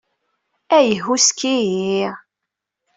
Ay yehhuski!